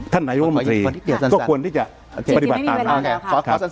ท่านหนาอยุมกลีก็ควรที่จะปฏิบัติต่าง